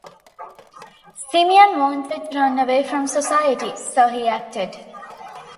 Simeon wanted to run away from society, so he acted.